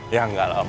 ya enggak lah om